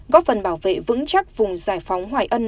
góp phần bảo vệ vững chắc vùng giải phóng hoài ân